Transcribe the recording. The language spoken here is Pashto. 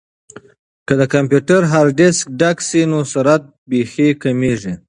که د کمپیوټر هارډیسک ډک شي نو سرعت یې بیخي کمیږي.